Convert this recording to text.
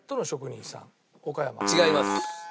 違います。